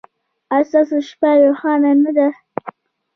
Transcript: ایا ستاسو شپه روښانه نه ده؟